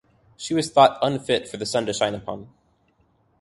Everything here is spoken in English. She was thought unfit for the sun to shine upon.